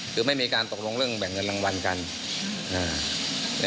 คือไม่มีการตกลงเรื่องแบ่งเงินรางวัลกัน